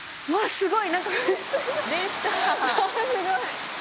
すごい！